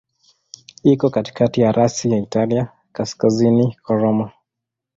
Iko katikati ya rasi ya Italia, kaskazini kwa Roma.